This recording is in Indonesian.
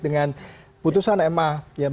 dengan putusan ma yang